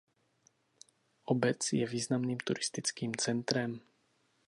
Obec je významným turistickým centrem.